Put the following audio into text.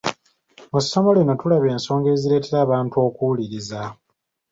Mu ssomo lino tulabye ensonga ezireetera abantu okuwuliriza.